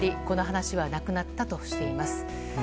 この話はなくなったとしています。